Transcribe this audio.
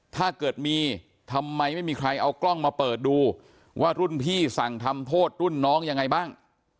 ถ้าเกิดมีทำไมไม่มีใครเอากล้องมาเปิดดูว่ารุ่นพี่สั่งทำโทษรุ่นน้องยังไงบ้าง